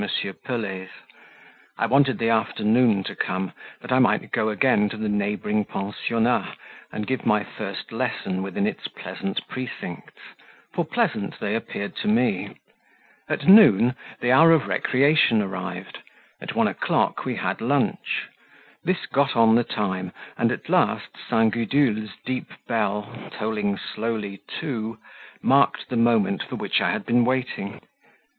Pelet's; I wanted the afternoon to come that I might go again to the neighbouring pensionnat and give my first lesson within its pleasant precincts; for pleasant they appeared to me. At noon the hour of recreation arrived; at one o'clock we had lunch; this got on the time, and at last St. Gudule's deep bell, tolling slowly two, marked the moment for which I had been waiting.